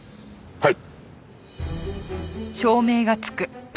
はい！